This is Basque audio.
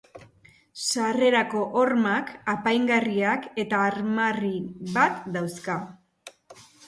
Sarrerako hormak apaingarriak eta armarri bat dauzka.